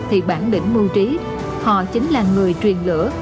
thì bản lĩnh mưu trí họ chính là người truyền lửa